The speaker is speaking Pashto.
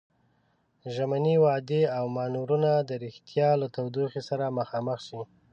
ژمنې، وعدې او مانورونه د ريښتيا له تودوخې سره مخامخ شي.